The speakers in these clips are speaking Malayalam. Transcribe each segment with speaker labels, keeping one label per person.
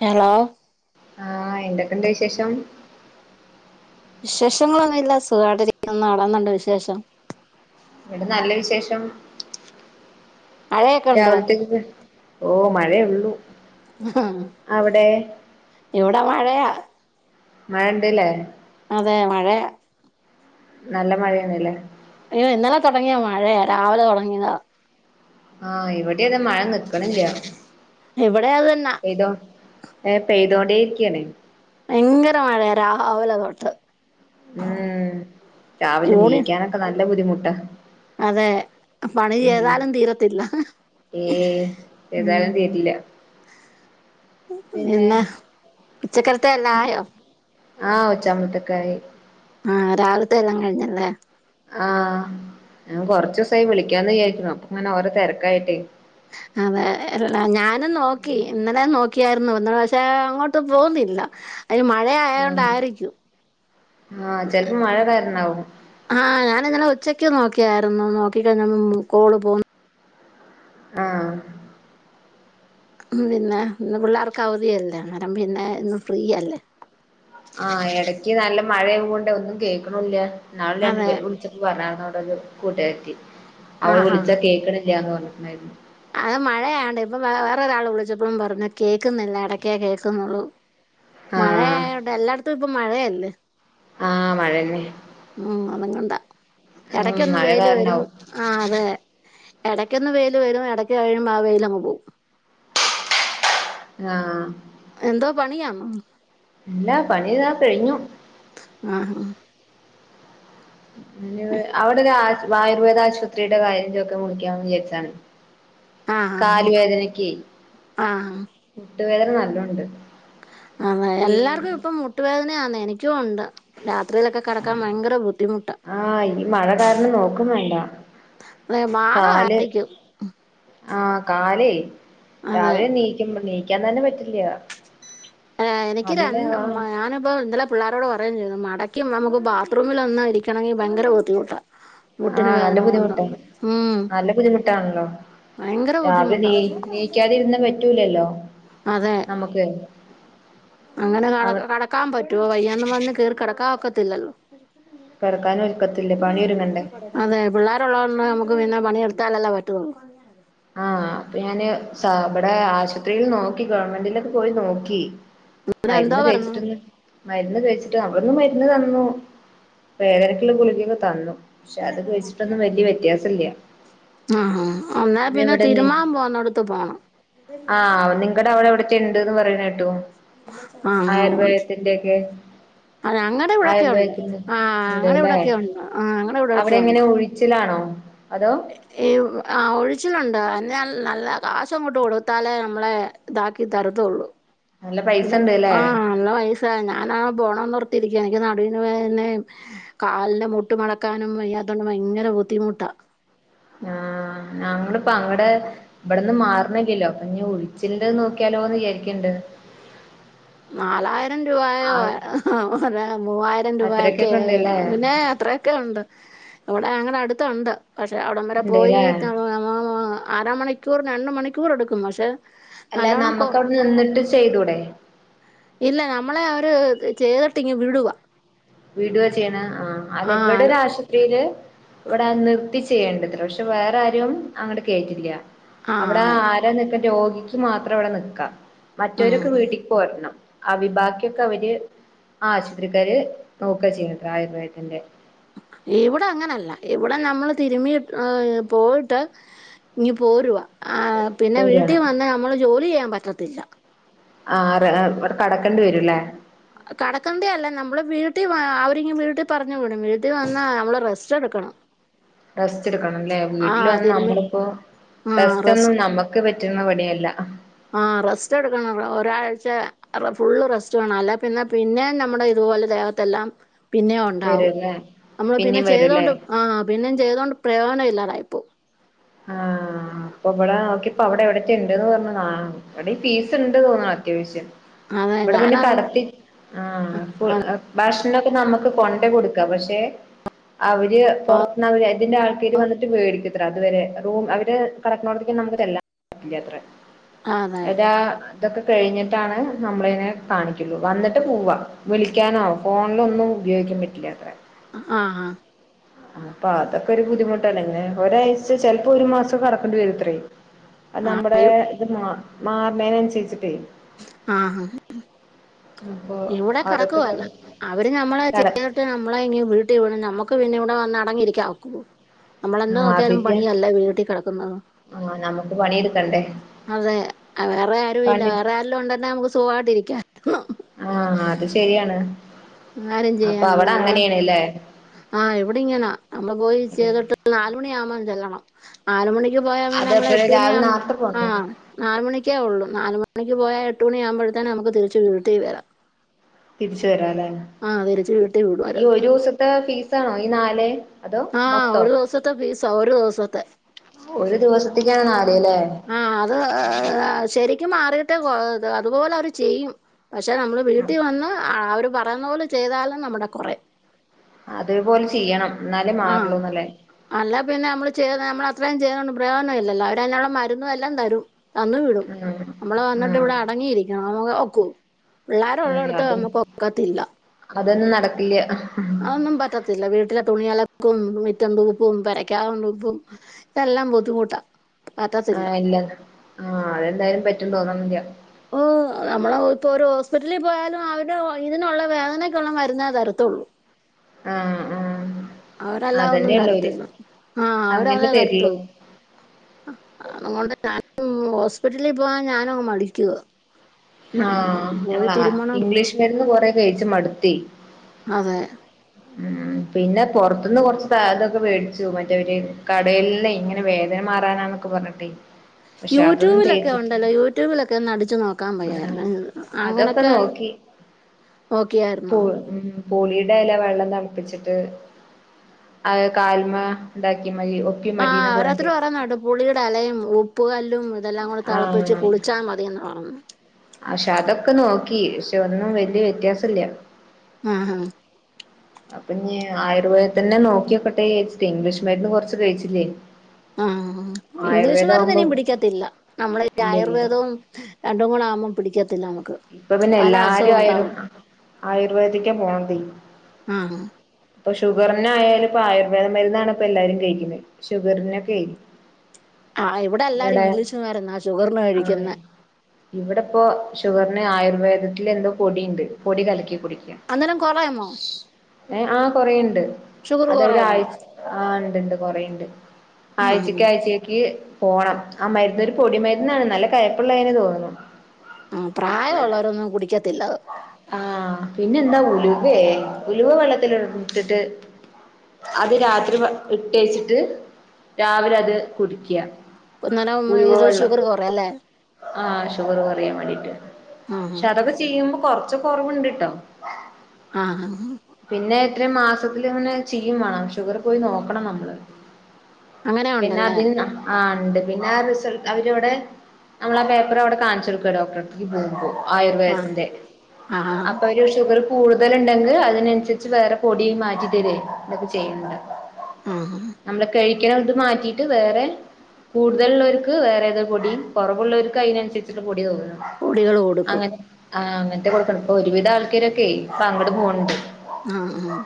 Speaker 1: ഹലോ
Speaker 2: ആഹ് എന്തൊക്കെ ഇണ്ട് വിശേഷം
Speaker 1: വിശേഷങ്ങളൊന്നുയില്ല സുഖായിട്ടിരികുന്നു അവിടെ എന്തുണ്ട് വിശേഷം
Speaker 2: ഇവിടെ നല്ല വിശേഷം
Speaker 1: മഴയൊക്കെ ഉണ്ടോ
Speaker 2: രാവിലത്തേക്ക് ക്കേ ഓഹ് മഴേ ഒള്ളൂ
Speaker 1: മ്ഹ് ഇവിടെ മഴയാ
Speaker 2: മഴണ്ട്ല്ലേ
Speaker 1: അതെ മഴയാ
Speaker 2: നല്ല മഴയാണ്ല്ലെ
Speaker 1: അയ്യോ ഇന്നലെ തുടങ്ങിയ മഴയാ രാവിലെ തുടങ്ങിയാതാ
Speaker 2: ആഹ് ഇവടിം അതെ മഴ നിക്ക്ണില്ല
Speaker 1: എവടെ അതെന്നാ
Speaker 2: പെയ്തോ ഏ പെയ്തോണ്ടേ ഇരിക്കാണ്
Speaker 1: ഭയങ്കര മഴയ രാവിലെ തോട്ട്
Speaker 2: ഉം രാവിലെ
Speaker 1: യൂണി
Speaker 2: നീക്കാനൊക്കെ നല്ല ബുദ്ധിമുട്ടാ
Speaker 1: അതെ പണി
Speaker 2: ഉം
Speaker 1: ചെയ്താലും തീരത്തില്ല
Speaker 2: ഏയ്
Speaker 1: ഉം
Speaker 2: ഏതായാലും തീരില്ല പിന്നെ
Speaker 1: എന്ന ഉച്ചക്കത്തെയെല്ലാം ആയോ
Speaker 2: ആഹ് ഉച്ച ആവുമ്പോത്തെകായി
Speaker 1: ആഹ് രാവിലത്തെ എല്ലാം കഴിഞ്ഞല്ലേ
Speaker 2: ആഹ് ഞാൻ കുറച്ച് ദിവസമായി വിളിക്കാന്ന് വിചാരിക്കുന്നു അങ്ങനെ ഓരോ തിരക്കായിട്ടേ
Speaker 1: അതെ ഞാനും നോക്കി ഇന്നലെ നോക്കിയായിരുന്നു ഒന്ന് പക്ഷെ അങ്ങോട്ട് പോവുന്നില്ല അതിന് മഴ
Speaker 2: ആഹ്
Speaker 1: ആയൊണ്ടായിരിക്കും
Speaker 2: ആഹ് ചെലപ്പോ മഴ കാരണാവും
Speaker 1: ആഹ് ഞാനി ഇന്നലെ ഉച്ചക്ക് നോക്കിയായിരുന്നു നോക്കി കഴിഞ്ഞ് കോൾ പോ
Speaker 2: ആഹ്
Speaker 1: അഹ് പിന്നെ ഇന്ന് പിള്ളേർക്ക് അവധി അല്ലെ അന്നേരം പിന്നെ ഇന്ന് ഫ്രീയല്ലേ
Speaker 2: ആഹ് ഇടക്ക് നല്ല മഴയയെ കൊണ്ട് ഒന്നും കേൾക്കുണും ഇല്ല ന്നാളും
Speaker 1: അതെ
Speaker 2: രണ്ടുപേര് വിളിച്ച പറഞ്ഞരുന്നു അവിടെ ഒരു കൂട്ടുകാര്ത്തി അവള്
Speaker 1: ആഹാ
Speaker 2: വിളിച്ചാ കേൾക്കണില്ലന്ന് പറഞ്ഞിട്ടുണ്ടായിരുന്നു
Speaker 1: അത് മഴയോണ്ട് ഇപ്പൊ വേ വേറെരാൾ വിളിച്ചപ്പോഴും പറഞ്ഞു കേൾക്കുന്നില്ല ഇടക്കേ കേൾക്കുന്നൊള്ളും മഴ
Speaker 2: ആഹ്
Speaker 1: ആയെണ്ട് എല്ലായിടത്തും ഇപ്പൊ മഴയല്ലേ
Speaker 2: ആഹ് മഴന്നെ
Speaker 1: ഉം അതും കൊണ്ടാ
Speaker 2: ഉം
Speaker 1: ഇടക്കൊന്ന്
Speaker 2: മഴ
Speaker 1: വെയ്ല് വരും
Speaker 2: കാരണാവും
Speaker 1: ആ അതെ ഇടയ്ക്കൊന്ന് വെയിൽ വരും ഇടയ്ക്ക് കഴിയുമ്പോ ആ വെയിൽ അങ്ങ് പോവും
Speaker 2: ആഹ്
Speaker 1: എന്തോ പണിയന്നോ
Speaker 2: എല്ലാ പണിതാ കഴിഞ്ഞു
Speaker 1: ആഹ് ആഹ്
Speaker 2: പി അവിടെ ഒരു ആയു ആയുർവേദ ആശുപത്രിയുടെ കാര്യൊക്കെ [unintelligible] വിചാർച്ചാണ്.
Speaker 1: ആഹ്
Speaker 2: കാല്
Speaker 1: ആഹ്
Speaker 2: വേദനക്കെ
Speaker 1: ആഹ്
Speaker 2: മുട്ടുവേദന നല്ലോണ്ട്.
Speaker 1: അ [unintelligible]
Speaker 2: ഈ
Speaker 1: എല്ലാർക്കും ഇപ്പം മു ട്ടുവേദനയാാണ് എനിക്കും ഒണ്ട് രാത്രിയിലൊക്കെ കെടക്കാൻ ഭയങ്കര ബുദ്ധിമു
Speaker 2: ആഹ് ഈ മഴ കാരണം നോക്കും വേണ്ട
Speaker 1: മാറ
Speaker 2: കാല്
Speaker 1: കാണിക്കും.
Speaker 2: ആഹ് കാലേ
Speaker 1: അതെ
Speaker 2: രാവിലെ നീക്കുമ്പ നീക്കാൻ തന്നെ പറ്റില്ലാ.
Speaker 1: ആഹ് എനിക്കി രണ് മ ഞാന്പ്പം ഇന്നലെ പിള്ളാരോട് പറയും ചെയ്തു മടക്കി നമുക്ക് ബാത്റൂമിലെന്നു ഇരിക്കണങ്കി ഭയങ്കര ബുദ്ധിമുട്ടാ മുട്ടിന്
Speaker 2: ആഹ് നല്ല
Speaker 1: വേദന കൊണ്ട്
Speaker 2: ബുദ്ധിമുട്ടാ
Speaker 1: ഉം
Speaker 2: നല്ല ബുദ്ധിമുട്ടാണല്ലോ.
Speaker 1: ഭയങ്കര
Speaker 2: രാവിലെ
Speaker 1: ബുദ്ധിമുട്ടാ
Speaker 2: നീ നീയ്ക്കാതിരുന്ന പറ്റൂലല്ലോ
Speaker 1: അതെ
Speaker 2: നമുക്ക്.
Speaker 1: അങ്ങനെ കട
Speaker 2: അവ
Speaker 1: കടക്കാൻ പറ്റോ വയ്യാന്നും പറഞ്ഞ് കേറി കടക്കാൻ ഒക്കത്തില്ലല്ലോ.
Speaker 2: കെടക്കാനൊക്കത്തില്ലേ പണി ഒരുങ്ങണ്ടേ.
Speaker 1: അതെ പിള്ളേരു ഉള്ളോണ്ട് നമുക്ക് പിന്നെ പണിയെടുത്താലല്ലെ പറ്റു ഒള്ളൂ.
Speaker 2: ആഹ് അപ്പൊ ഞാന് സാ ഇബടെ ആശുപത്രിയിൽ നോക്കി ഗവണ്മെന്റിലൊക്ക പോയി നോക്കി.
Speaker 1: പിന്നെ എന്തോ
Speaker 2: മരുന്നു
Speaker 1: പറഞ്ഞു
Speaker 2: കയിച്ചിട്ടൊന്ന് മരുന്ന് കഴിച്ചിട്ട് അവിടെന്ന് മരുന്ന് തന്നു വേദനക്കുള്ള ഗുളികൊക്കെ തന്നു. പക്ഷെ അത്കഴിച്ചിട്ടൊന്നും വലിയ വ്യത്യാസം ഇല്ല.
Speaker 1: ആഹ് എന്ന പിന്നെ
Speaker 2: ഇവിടെന്ന്
Speaker 1: തിരുമാൻ പോകുന്നോട്ത്ത് പോണം.
Speaker 2: ആഹ് നിങ്കടെ അവിടെ എവിടത്തെ ഉണ്ട്ന്ന് പറയുന്ന് കേട്ടു ആയുർവേദത്തിന്റെ ഒക്കെ.
Speaker 1: അത അങ്ങടെ ഇവിടെയൊക്കെ ഒണ്ട്
Speaker 2: ആയുർവേദത്തിന്റെ
Speaker 1: ആഹ് അങ്ങടെ
Speaker 2: ഉണ്ട്ല്ലേ
Speaker 1: ഇവിടയൊക്കെ യൊണ്ട് ആഹ് അങ്ങടെെ ഇവിടെയൊക്കെ യുണ്ട്.
Speaker 2: ചിലാണോ അതോ
Speaker 1: ഈ ആഹ് ഒഴിച്ചിലുണ്ട് എന്നാൽ നല്ല കാശങ്ങോട്ട് കൊടുത്താലേ നമ്മളെ ഇതാക്കി തരത്തൊള്ളൂ.
Speaker 2: നല്ല പൈസ
Speaker 1: [unintelligible]
Speaker 2: ഉണ്ട്ല്ലേ
Speaker 1: ആഹ് നല്ല വയസായ ഞാനാ ബോണംന്നോർത്തിരിക്ക എനിക്ക് നടുവിന്ന് വേദനിം കാലിന്റെ മുട്ട് മടക്കാനും വയ്യാത്തൊണ്ട് ഭയങ്കര ബുദ്ധിമുട്ടാ
Speaker 2: ആഹ് ഞങ്ങൾപ്പ അങ്ങടെ. ഇബട്ന്ന് മാർണില്ലല്ലോ അപ്പൊ ഉഴുച്ചിൽന്റെ നോക്കിയാലോന്ന് വിചാരിക്ക്ണ്ട്.
Speaker 1: [unintelligible] നാലായിരം രൂപായോ
Speaker 2: ആഹ്
Speaker 1: മൂവായിരം രൂപൊയൊക്കെ
Speaker 2: അത്രക്കൊക്കെ ഉണ്ട്ല്ലേ
Speaker 1: പിന്നെ അത്രേ ഒക്കെണ്ട് ഇവിടെ അങ്ങനെ അടുത്തുണ്ട് പക്ഷെ അവിടം വരെ പോയി
Speaker 2: ഉണ്ട്ല്ലേ
Speaker 1: തം എ ആഹ് അര മണിക്കൂർ രണ്ട് മണിക്കൂർ എടുക്കും പക്ഷെ.
Speaker 2: അല്ല
Speaker 1: നല്ലോണം കൊ
Speaker 2: നമ്മക്ക് അവിടെ നിന്നിട്ട് ചെയ്തൂടെേ.
Speaker 1: ഇല്ല നമ്മളെ അവര് ചെയ്തിട്ട് ഇങ്ങ് വിടുവാ.
Speaker 2: വീടുവ ചെയ്യ്ണ് ആഹ് അല്ല
Speaker 1: ആ
Speaker 2: ഇവടെ ഒരു ആശുപത്രിയില് ഇവിടെ നിർത്തി ചെയ്യേണ്ടതില്ല പക്ഷെ വേറെ ആരും അങ്ങെട് കേറ്റത്തില്ല അവിടെ.
Speaker 1: ആഹ്
Speaker 2: [unintelligible] രോഗിക്ക് മാത്രം അവിടെ നിക്ക മറ്റർക്ക്
Speaker 1: ആഹ്
Speaker 2: വീട്ടി പോർണം ആ വി ബാക്കിയൊക്കെ അവര് ആശുപത്രിക്കാര് നോക്ക ചെയ്യ്ണെ ആയുർവേദത്തിന്റെ
Speaker 1: ഇവിടെ അങ്ങനല്ല ഇവിടെ നമ്മള് തിരുമി ഏ പോയിട്ട് ഇനു പോരുവാ ആഹ് പിന്നെ
Speaker 2: ഓരാണ്
Speaker 1: വീട്ടിൽ വന്ന് നമ്മള് ജോലി ചെയ്യാൻ പറ്റത്തില്ല.
Speaker 2: ആഹ് റ ഇവടെ കടക്കണ്ടി വരൂല്ലേ.
Speaker 1: കടക്കണ്ടെ അല്ലേ നമ്മള് വീട്ടിൽ വ അവരിങ്ക് വീട്ടിൽ പറഞ്ഞു വിടും വീട്ടിൽ വന്നാ നമ്മള് റെസ്റ്റ് എടുക്കണം [inaudible]
Speaker 2: റസ്റ്റ് എടുക്കണംല്ലേ വീട്ടിൽ
Speaker 1: ആഹ്
Speaker 2: വന്ന്
Speaker 1: തിരുമ്മി
Speaker 2: നമ്മളിപ്പോ
Speaker 1: ആഹ്
Speaker 2: റസ്റ്റ് ഒന്നും
Speaker 1: റെസ്റ്റ്
Speaker 2: നമ്മ ക്ക് പറ്റുന്ന പണിയല്ല
Speaker 1: ആ റെസ്റ്റ് എടുക്കണം ഒരാഴ്ച ഫുള്ള് റെസ്റ്റ് വേണണം അല്ല പിന്നെ പിന്നെ നമ്മുടെ ഇതുപോലെ ദേ ല്ലാം പിന്നെ ഉണ്ടാവും
Speaker 2: വരുംല്ലേ
Speaker 1: നമ്മള് പിന്നെ
Speaker 2: പിന്നേം വരുംല്ലേ
Speaker 1: ചെയ്തൊണ്ട് ആ പിന്നം ചെയ്തുക കൊണ്ട് പ്രയോജനമല്ലാതായിപ്പോ
Speaker 2: ആഹ അപ്പൊ ഇവിടെ നോക്കിപ്പോ അവിടെ എവിടത്തെ ഇണ്ട്ന്ന് പറഞ്ഞ എവിടെ ഫീസ് ഉണ്ട് തോന്ന്ണ് അത്യാവിശ്യം
Speaker 1: അതെ
Speaker 2: ഇവിടെ പിന്നെ
Speaker 1: ഞാനത്
Speaker 2: കടത്തി ആഹ് ഭക്ഷണംക്കെ നമുക്ക് കൊണ്ടെ കൊടുക്കാം പക്ഷെ അവര് പുറത്ത്ന്ന് അവര് അതിന്റെ ആൾക്കാര് വന്നിട്ട് വേടിക്കുത്ര അതുവരെ റൂ അവര് കടക്കണോടത്തേക്കും നമുക്ക് ചെല്ലാം പറ്റില്ലത്ര
Speaker 1: അതെ
Speaker 2: ഏതാ ഇതൊക്കെ കഴിഞ്ഞിട്ടാണ് നമ്മളയിനെ കാണിക്കുള്ളൂ വന്നിട്ട് പോവ വിളിക്കാനോ ഫോണിലൊന്നും ഉപയോഗിക്കാൻ പറ്റില്ല അത്രേ
Speaker 1: ആഹ് ആഹ്
Speaker 2: അപ്പൊ അതൊക്കെ ഒരു ബുദ്ധിമുട്ടാണ് ഇങ്ങനെ ഒരാഴ്ച ചെലപ്പോ ഒരു മാസം കടക്കേണ്ടി വരുത്ര അത് നമ്മടേ ത് മാ മാറന്നേന് അന്സരിച്ചിട്ടേ
Speaker 1: ആഹ്
Speaker 2: അപ്പൊ
Speaker 1: ഇവിടെ
Speaker 2: അതൊക്കെ
Speaker 1: കറക്കുവല്ല അവര് നമ്മളെ
Speaker 2: കട
Speaker 1: ചെയ്ത ട്ട് നമ്മളെ വീട്ടിൽ വിടും നമ്മുക്ക് പിന്നെ ഇവിടെ വന്ന് അടങ്ങിയിരിക്കാനാ ഒക്കുവോ നമ്മളെന്താ
Speaker 2: ആ
Speaker 1: നോക്കിയാലും
Speaker 2: അതിന്റെ
Speaker 1: പണിയല്ല വീട്ടിൽ കടക്കുന്നത്
Speaker 2: ആ നമുക്ക് പണിയെടുക്കണ്ടേ
Speaker 1: അതെ വേറെ ആരും ഇല്ല
Speaker 2: പണി
Speaker 1: വേറെ ആരേലുംണ്ട്ന്നെ നമുക്ക് സുഖായിട്ട് ഇരിക്കാ
Speaker 2: ആഹ് അത് ശരിയാണ് അപ്പൊ അവിടെ അങ്ങനെയാണ് ഇല്ലേ
Speaker 1: ആഹ് ഇവിടെ ഇങ്ങനാ നമ്മൾ പോയി ചെയ്തിട്ട് നാലുമണിയാ ആകുമ്പോ ചെല്ലണം നാലുമണിക്ക് പോയാ പിന്നെ നമ്മള്
Speaker 2: അതേപോലെ രാവിലെ
Speaker 1: എട്ടുമണിയാവും
Speaker 2: നേർത്തെ പോണോ
Speaker 1: ആഹ് നാല് മണിക്കേ ഉള്ളു നാലുമണിക്ക് പോയാ എട്ട് മണിയാകുമ്പോഴത്തേനെ നമുക്ക് തിരിച്ച വീട്ടിൽ വരാം
Speaker 2: തിരിച്ച് വരാലെ
Speaker 1: ആ തിരിച്ച് വീട്ടിൽ വിടും അവര്
Speaker 2: ഈ ഒരു ദിവസത്തെ ഫീസാണോ ഈ നാല് അതോ
Speaker 1: ആഹ്
Speaker 2: മൊത്തോ
Speaker 1: ഒരു ദിവസത്തെ ഫീസാ ഒരു ദിവസത്തെ
Speaker 2: ഒരു ദിവസത്തേക്കാണ് നാല് ഇല്ലേ
Speaker 1: ആഹ് അത് ശരിക്കും മാറിയിട്ടെ അതുപോലെ അവര് ചെയ്യും പക്ഷേ നമ്മൾ വീട്ടിൽ വന്ന് അവർ പറയുന്ന പോലെ ചെയ്താല് നമ്മുടെ കുറയും
Speaker 2: അതേപോലെ ചെയ്യണം എന്നാലേ
Speaker 1: ആഹ്
Speaker 2: മാറുള്ളൂ എന്നല്ലേ
Speaker 1: അല്ല പിന്നെ നമ്മള് ചെയ് നമ്മൾ അത്രയും ചെയ്യോണ്ട് പ്രയോജനം ഇല്ലല്ലോ അവര്അതിനുള്ള മരുന്നും എല്ലാം തരും തന്നു വിടും
Speaker 2: ഉം
Speaker 1: നമ്മള് വന്നിട്ട്
Speaker 2: ഉം
Speaker 1: ഇവിടെ അ അടങ്ങി ഇരിക്കണം നമക്ക് ഒക്കോ പിള്ളാര്
Speaker 2: ഏയ്
Speaker 1: ഉള്ളടത്ത്
Speaker 2: അത്
Speaker 1: നമുക്ക് ഒക്കത്തില്ല
Speaker 2: അതൊന്നും നടക്കില്ല
Speaker 1: അതൊന്നും പറ്റത്തില്ല വീട്ടിലെ തുണി അലക്കും മിറ്റം തൂപ്പും പെരക്ക്അകം തൂപ്പും ഇതെല്ലാം ബുദ്ധിമുട്ടാ
Speaker 2: ആ
Speaker 1: പറ്റത്തില്ല.
Speaker 2: ഇല്ല ആ അത് എന്തായാലും പറ്റുംന്ന് തോന്ന്ണില്ല
Speaker 1: ഓ നമ്മള് ഇപ്പൊ ഒരു ഹോസ്പിറ്റലിൽ പോയാലും അവരുടെ ഇതിനുള്ള വേദനക്കുള്ള മരുന്നേ തരത്തുള്ളൂ
Speaker 2: ആഹ് ആഹ്
Speaker 1: അവര് അല്ലാതെ ഒന്നും
Speaker 2: അതന്നെയുള്ളൂര്
Speaker 1: തരത്തില്ല ആ
Speaker 2: അങ്ങനെ
Speaker 1: അവര്അതേ
Speaker 2: തരുള്ളൂ
Speaker 1: തരത്തുള്ളു അതുകൊണ്ട് ഞാൻ ഹോസ്പിറ്റലിൽ പോവാൻ ഞാന് അങ്ങ് മടിക്കുവാ
Speaker 2: ആഹ്
Speaker 1: പോയി
Speaker 2: ഞങ്ങളാ
Speaker 1: തിരുമണം
Speaker 2: ഇംഗ്ലീഷ് മരുന്ന് കൊറേ കഴിച്ച് മടുത്തെ
Speaker 1: അതെ
Speaker 2: പിന്നെ പൊറത്ത്ന്ന് കൊറ്ച്ച് ഇതൊക്കെ മേടിച്ചു മറ്റേര് കടേൽന്ന് ഇങ്ങനെ വേദന മാറാനാന്നൊക്കെ പറഞ്ഞിട്ട് ട്ടെയ്
Speaker 1: യൂട്യൂബിലൊക്കെ ഉണ്ടല്ലൊ യൂട്യൂബിലൊക്കെ അടിച്ച് നോക്കാൻ വയ്യായിരുന്നൊ
Speaker 2: അതൊക്ക നോക്കി
Speaker 1: നോക്കിയാര്ന്നൊ
Speaker 2: പുളിടെ ഇല വള്ളം തൾപ്പിച്ചിട്ട് അയ് കാല്മെ ഇണ്ടാക്ക്യ മതി ഒപ്പി
Speaker 1: ആഹ്
Speaker 2: മതീന്ന് പറഞ്ഞിട്ട്
Speaker 1: ഓരോര്ത്തര് ഓരോന്ന് ഇടും പുളീട ഇലയും ഉപ്പ്കല്ലും ഇതെല്ലാം കൂടി തെളപ്പിച്ച്
Speaker 2: ആഹ്
Speaker 1: കുളിച്ചാ മതിയെന്ന് പറഞ്ഞു
Speaker 2: പക്ഷെ അതൊക്കെ നോക്കി പക്ഷെ ഒന്നും വല്യ വ്യത്യാസ ഇല്ല
Speaker 1: ആഹ് ഹ
Speaker 2: അപ്പഞ്ഞി ആയുർവേദത്തന്നേ നോക്ക്യോക്കട്ടേച്ച്ട്ടെ ഇംഗ്ലീഷ് മര്ന്ന് കൊറ്ച്ച് കഴിച്ചിലെ
Speaker 1: ആഹ് ഇംഗ്ലീഷ് മര്ന്നിനിം പിടിക്കത്തില്ല നമ്മളി
Speaker 2: ഇല്ല ഇല്ല
Speaker 1: ആയുർവേദൊം രണ്ടു കൂടാവുമ്പം പിടിക്കത്തില്ല നമ്മക്ക്
Speaker 2: ഇപ്പൊ പിന്നെ എല്ലാരും ആയുർ ആയുർവേദിക്കാ പോണതെ
Speaker 1: ആഹ്
Speaker 2: പ്പൊ ഷുഗർനായാലും പ്പ ആയുർവേദ മരുന്നാാണ് പ്പ എല്ലാരും കഴിക്കുന്നെ ഷുഗർനൊക്കേ
Speaker 1: ആഹ് ഇവിടെ എല്ലാരും ഇഗ്ലീഷ് മരുന്നാ ഷുഗർന് കഴിക്ക്ന്നെ
Speaker 2: ഇവടെപ്പോ ഷുഗർന് ആയുർവേദത്തിലെന്തോ പൊടീണ്ട് പൊടി കലക്കി കുടിക്ക
Speaker 1: അന്നേരം കൊറയുമോ
Speaker 2: ശ്. ഏഹ് ആഹ് കൊറേണ്ട്
Speaker 1: ഷുഗർ
Speaker 2: അതവര്
Speaker 1: കൊറയുമോ
Speaker 2: ആഴ് ആഹ് ഇണ്ട്ണ്ട് കൊറീണ്ട്
Speaker 1: ആഹ്
Speaker 2: ആഴ്ചക്ക് ആഴ്ചേക്ക് പോണം ആഹ് മരുന്നൊര് പൊടി മരുന്നാണ് നല്ല കയ്പ്പുള്ളേനെ തോന്ന്ണു
Speaker 1: ഉം പ്രായൊള്ളോരൊന്നും കുടിക്കത്തില്ലത്
Speaker 2: ആഹ് പിന്നെന്താ ഉലുവേ ഉലുവ വെള്ളത്തിലിട്ടിട്ട് അത് രാത്രി വ ഇട്ടേച്ച്ട്ട് രാവിലെ അത് കുടിക്ക്യ
Speaker 1: ഇപ [unintelligible] ഷുഗറ് കൊറയല്ലെ
Speaker 2: ആഹ് ഷുഗറ് കൊറയാ വേണ്ടീട്ട്
Speaker 1: ആഹ്
Speaker 2: പക്ഷെ അതൊക്കെ ചെയ്യുമ്പൊ കൊറ് ച്ച് കൊറവ്ണ്ട്ട്ടൊ
Speaker 1: ആഹ് ആഹ്
Speaker 2: പിന്നെ ഇത്രം മാസത്തിലിങ്ങനെ ചിയ്യും മാണം ഷുഗറ് പോയി നോക്കണം നമ്മള്
Speaker 1: അങ്ങനെ
Speaker 2: പിന്നെ
Speaker 1: ഉണ്ടല്ലേ
Speaker 2: അതിന്ന ആഹ് ഇണ്ട് പിന്നെ റിസൾ അവരിവടെ നമ്മളാ പേപ്പറവ്ടെ കാണിച്ചെട്ക്ക ഡോക്ടർട് ക്ക് പോകുമ്പൊ
Speaker 1: ആഹ്
Speaker 2: ആയുർവേദത്തിന്റെ
Speaker 1: ആഹ്
Speaker 2: അപ്പൊ പ ഷുഗറ്കൂടുതല്ണ്ടെങ്കി അതിനനുസര്ച്ച് വേറെ പൊടിമാറ്റി തരൊ ഇതൊക്കെ ചെയ്യ്ണ്
Speaker 1: ആഹ്
Speaker 2: ണ്ട് നമ്മള് കഴിക്ക്ണത് മാറ്റീട്ട് വേറെ കൂടുതലുള്ളോര്ക്ക് വേറെതോ പൊടീ കൊറവുള്ളോര്ക്ക് അയ്നൻസര്ച്ച്ട്ട്ള്ള പൊടി തോന്ന്ണ്
Speaker 1: പൊടികളോ
Speaker 2: അങ്ങൻ ആഹ് അങ്ങൻത്തെ കൊട്ക്ക്ണെ ഇപ്പൊ ഒരുവിധ ആൾക്കാരൊക്കേ ഇപ്പ അങ്ങ്ട് പോൺണ്ട്
Speaker 1: ആഹ് ആഹ്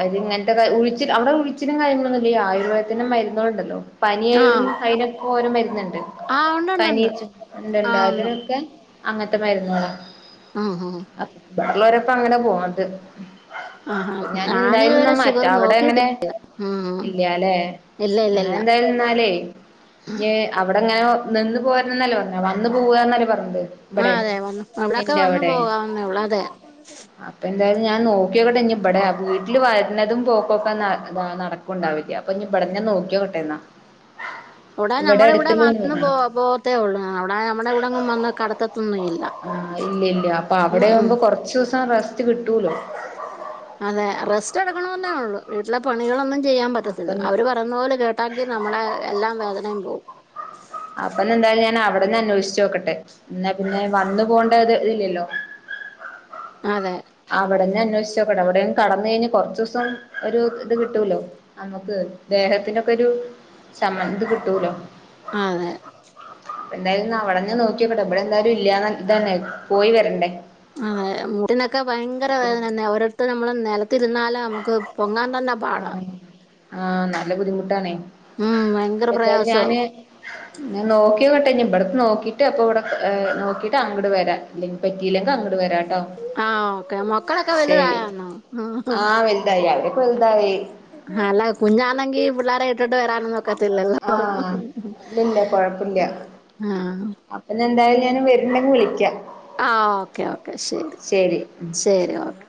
Speaker 2: അര് ഇങ്ങൻത്ത ഉഴിച്ചില് അവിടെ ഉഴിച്ചിലും കാരൃങ്ങളൊന്നുല്ല ആയുർവേദത്തിന്ന് മരുന്നോളുണ്ടല്ലൊ പനിയാലും
Speaker 1: ആഹ്
Speaker 2: അയ്നൊക്കോരൊ മര്ന്ന്ണ്ട്
Speaker 1: ആഹ്
Speaker 2: പനി
Speaker 1: ഉണ്ടുണ്ടുണ്ട്
Speaker 2: ച്ച്ട്ട്ണ്ടാ
Speaker 1: ആഹ് ഉണ്ട്
Speaker 2: ഇല്ലാതൊക്കെ അങ്ങത്തെ മര്ന്നോള
Speaker 1: ആഹ് ആഹ്
Speaker 2: ബടള്ളോരപ്പ അങ്ങന പോണത്
Speaker 1: ആഹ്
Speaker 2: ഞാന് എന്തായാലുന്നാ
Speaker 1: ഞാനിതുവരെ
Speaker 2: മറ്റ
Speaker 1: ഷുഗർ
Speaker 2: അവ്ടെ
Speaker 1: നോക്കിയിട്ടി
Speaker 2: എങ്ങനെ
Speaker 1: ഉം
Speaker 2: ഇല്ലാല്ലേ
Speaker 1: ഇല്ല ഇല്ല ഇല്ല
Speaker 2: ഞങ്ങളെന്തായാലുന്നാലേ ഞേ അവിടങ്ങനെ നിന്ന്പോര്ണന്നല്ലേ പറഞ്ഞെ വന്ന് പോവാന്നല്ലേ പറീണ്ട്
Speaker 1: ആഹ് അതെ വന്ന് അവിടെ ടൊക്കെ വന്നു പോഗാവുന്നേളളൂ അതെ
Speaker 2: അപ്പൊ ന്തായാലും ഞാൻ നോക്കിയോക്കട്ടെ ഞ്ഞി ബടെ വീട്ടില് വര്ണതും പോക്കൊക്കെ നട ഉണ്ടാവില്ല അപ്പൊ ഞ്ഞി ഇവിടന്നാ നോക്കിയോ ക്കട്ടെ ന്നാ
Speaker 1: ഇവടെ നമ്മടെ ഇവിടെ വന്ന് പോ
Speaker 2: പറഞ്ഞു
Speaker 1: വത്തേ ഒള്ളൂ അവിടെ നമ്മടെവിടെങ്ങും വന്നാ കടത്തത്
Speaker 2: ആഹ് ഇല്ല ഇല്ല അപ്പൊ
Speaker 1: ഉം ഉം
Speaker 2: അവിടെയാവുമ്പോ കൊറച്ച ദിവസം റസ്റ്റ് കിട്ടൂലോ
Speaker 1: അതെ റെസ്റ്റെ ടുക്കണന്നേഒള്ളൂ വീട്ടിലെ പണികളൊന്നും ചെയ്യാ
Speaker 2: അപ്പൊ
Speaker 1: പറ്റത്തില്ല അവര് പറയുന്ന പോലെ കേട്ടാങ്കീ നമ്മളെ എല്ലാ വേദനയും പോകും
Speaker 2: അപ്പന്ന ന്തായാലും ഞാൻ അവിടെന്ന് അന്വേഷിച്ചോ ക്കട്ടെ ന്നാ പിന്നെ വന്നു പോണ്ടേ തില്ലല്ലോ
Speaker 1: അതെ
Speaker 2: അവിടെന്നെന്വേഷിച്ചോക്കട്ടെ വിടേം കടന്ന് കഴിഞ്ഞാ കൊറച്ചൂസം ഒരു ഇത് കിട്ടൂലോ മ്മക്ക് ദേഹത്തിനൊക്കെരു ചമൻത് കിട്ടൂലോ
Speaker 1: ആ തെ
Speaker 2: പ്പ ന്തായാലും ന്ന അവടെന്നേനോക്കിയോക്കട്ടേ ബടെ ന്തായാലും ഇല്ലൃ ന്ന് തന്നെ പോയിവരണ്ടേ
Speaker 1: അ തെ മുട്ടനൊക്കെ ഭയങ്കര വേദന ഓരിടത്തത്ത് നമ്മള നെ നിലത്തിരുന്നാല് നമുക്ക് പൊങ്ങാൻ തന്നെ പാടാ-
Speaker 2: ആഹ് ആഹ് നല്ല ബുദ്ധിമുട്ടാണേ.
Speaker 1: ഉം ഭയങ്കര
Speaker 2: എന്തായാലും
Speaker 1: പ്രയാസാ-
Speaker 2: ഞാന് ഞാൻ നോക്കി നോക്കട്ടെ ഞാൻ ഇവിടത്തെ നോക്കിട്ട് അപ്പോ ഇവിടെ നോക്കിയിട്ട് അങ്ങോട്ട് വരാം അല്ലെങ്കിൽ പറ്റിയില്ലെങ്കിൽ അങ്ങോട്ട് വരാകേട്ടോ.
Speaker 1: ആ ഒക്കെ മക്കളൊക്കെ വലുതായോ എന്നാ-
Speaker 2: ആഹ് വലുതായി അവരൊക്കെ വലുതായി
Speaker 1: അല്ല കുഞ്ഞാണെങ്കിൽ പിള്ളേര് വിട്ട ട്ട് വരാനൊന്നും ഒക്കത്തില്ലല്ലോ
Speaker 2: ആഹ് അപ്പോ ഞാൻ എന്തായാലും വരുണ്ടെങ്കിൽ വിളിക്കാം.
Speaker 1: ആഹ് ഓക്കെ ഓക്കെ ശരി ശരി ഓക്കെ